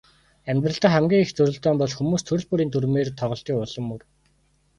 Амьдрал дахь хамгийн их зөрөлдөөн бол хүмүүс төрөл бүрийн дүрмээр тоглодгийн ул мөр.